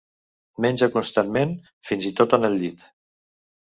Menja constantment, fins i tot en el llit.